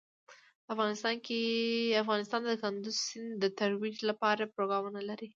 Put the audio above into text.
افغانستان د کندز سیند د ترویج لپاره پروګرامونه لري.